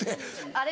あれ？